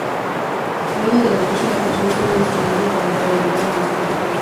Luego del anuncio, la canción estuvo disponible para pre-ordenar en Spotify.